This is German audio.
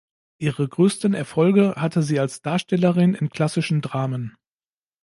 Ihre größten Erfolge hatte sie als Darstellerin in klassischen Dramen.